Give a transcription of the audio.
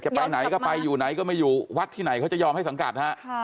ไปไหนก็ไปอยู่ไหนก็ไม่อยู่วัดที่ไหนเขาจะยอมให้สังกัดฮะ